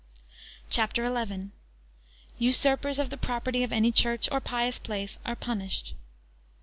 CHAPTER XI. Usurpers of the property of any Church, or pious places, are punished.